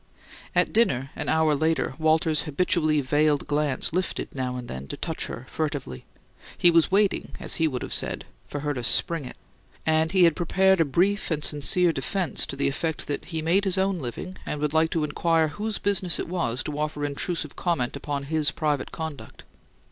At dinner, an hour later, Walter's habitually veiled glance lifted, now and then, to touch her furtively; he was waiting, as he would have said, for her to "spring it"; and he had prepared a brief and sincere defense to the effect that he made his own living, and would like to inquire whose business it was to offer intrusive comment upon his private conduct.